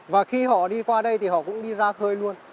và khi họ đi qua đây thì họ cũng đi ra khơi luôn